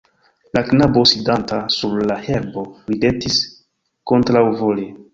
La knabo sidanta sur la herbo ridetis, kontraŭvole.